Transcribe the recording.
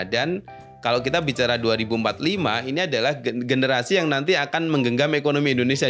dan kalau kita bicara dua ribu empat puluh lima ini adalah generasi yang nanti akan menggenggam ekonomi indonesia